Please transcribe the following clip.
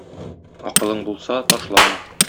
Акылың булса, ташлама.